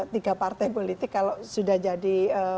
tiga partai politik kalau sudah jadi